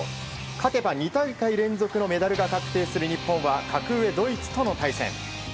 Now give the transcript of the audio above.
勝てば２大会連続のメダルが確定する日本は格上ドイツとの対戦。